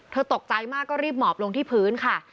ตกใจมากก็รีบหมอบลงที่พื้นค่ะ